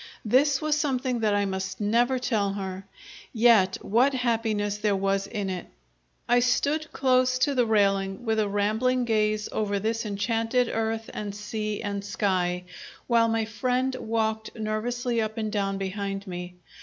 This was something that I must never tell her yet what happiness there was in it! I stood close to the railing, with a rambling gaze over this enchanted earth and sea and sky, while my friend walked nervously up and down behind me.